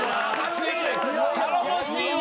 頼もしいわ。